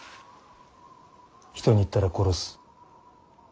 人に言ったら殺す。